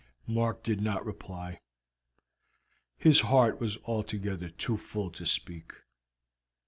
Mark did not reply; his heart was altogether too full to speak.